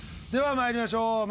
ではまいりましょう。